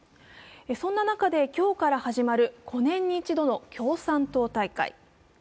そんな中で今日から始まる５年に一度の共産党大会。